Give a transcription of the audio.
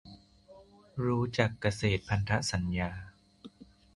รู้จัก "เกษตรพันธสัญญา"